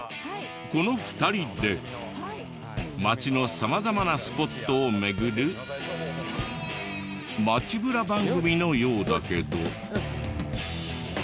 この２人で街の様々なスポットを巡る街ブラ番組のようだけど。